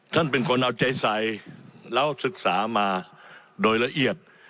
ท่านเป็นคนเอาใจใส่แล้วศึกษามาโดยละเอียด